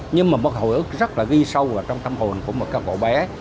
nhưng mà một cái hồi ức rất là ghi sâu vào trong tâm hồn của một cái cậu bé